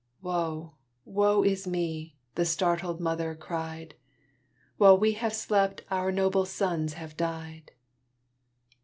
Woe! woe is me! the startled mother cried While we have slept our noble sons have died!